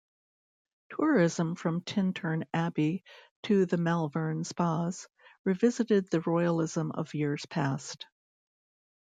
Tourism from Tintern Abbey to the Malvern Spas revisited the royalism of years past.